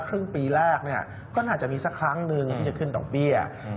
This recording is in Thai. ครึ่งปีแรกเนี่ยก็น่าจะมีสักครั้งหนึ่งที่จะขึ้นดอกเบี้ย